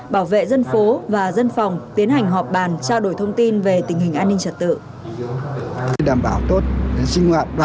bảo vệ dân phố và dân phòng tiến hành họp bàn trao đổi thông tin về tình hình an ninh trật tự